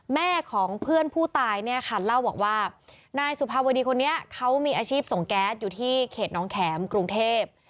แม่ของเพื่อนผู้ตายเนี่ยค่ะเล่าบอกว่านายสุภาวดีคนนี้เขามีอาชีพส่งแก๊สอยู่ที่เขตน้องแข็มกรุงเทพ